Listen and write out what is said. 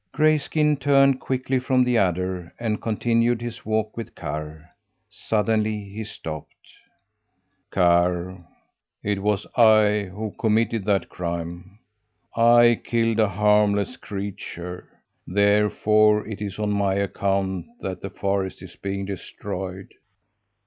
Grayskin turned quickly from the adder, and continued his walk with Karr. Suddenly he stopped. "Karr, it was I who committed that crime! I killed a harmless creature; therefore it is on my account that the forest is being destroyed."